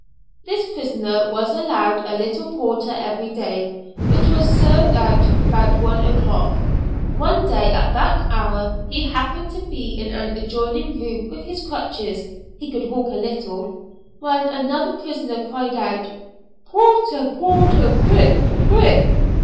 This prisoner was allowed a little porter every day, which was served out about one o'clock. One day at that hour he happened to be in an adjoining room with his crutches (he could walk a little) when another prisoner cried out, "Porter, porter; quick, quick!"